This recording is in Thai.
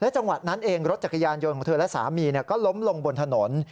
จังหวะนั้นเองรถจักรยานยนต์ของเธอและสามีก็ล้มลงบนถนน